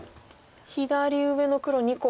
左上の黒２個を。